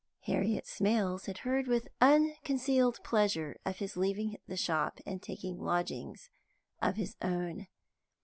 Harriet Smales had heard with unconcealed pleasure of his leaving the shop and taking lodgings of his own.